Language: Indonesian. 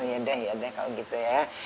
yaudah yaudah kalau gitu ya